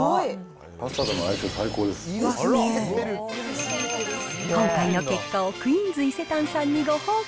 パスタとの相性、今回の結果をクイーンズ伊勢丹さんにご報告。